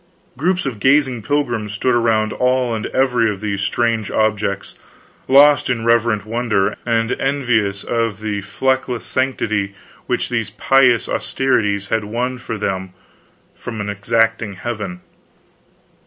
Groups of gazing pilgrims stood around all and every of these strange objects, lost in reverent wonder, and envious of the fleckless sanctity which these pious austerities had won for them from an exacting heaven.